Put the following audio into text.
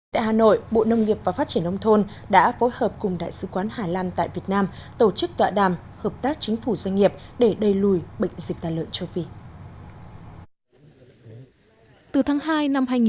tại hà nội bộ nông nghiệp và phát triển nông thôn đã phối hợp cùng đại sứ quán hà lan tại việt nam tổ chức tọa đàm hợp tác chính phủ doanh nghiệp để đẩy lùi bệnh dịch tàn lợn châu phi